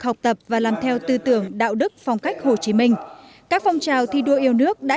học tập và làm theo tư tưởng đạo đức phong cách hồ chí minh các phong trào thi đua yêu nước đã